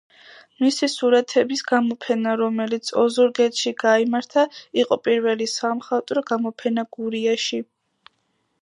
მისი სურათების გამოფენა, რომელიც ოზურგეთში გაიმართა იყო პირველი სამხატვრო გამოფენა გურიაში.